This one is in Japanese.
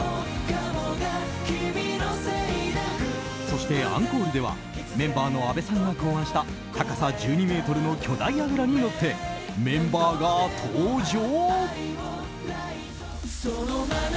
そして、アンコールではメンバーの阿部さんが考案した高さ１２ｍの巨大やぐらに乗ってメンバーが登場！